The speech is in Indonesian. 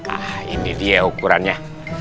ah ini dia ukurannya